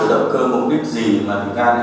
nên đã cúi đầu thừa nhận hành vi